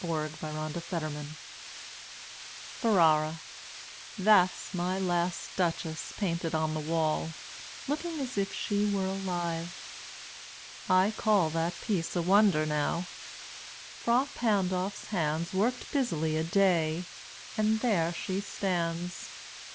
40 MY LAST DUCHESS FERRARA That's my last Duchess painted on the wall, Looking as if she were alive. I call That piece a wonder, now: Frà Pandolf's hands Worked busily a day, and there she stands.